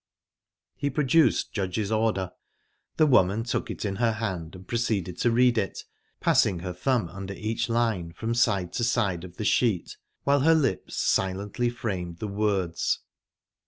He produced Judge's order. The woman took it in her hand and proceeded to read it, passing her thumb under each line from side to side of the sheet, while her lips silently framed the words.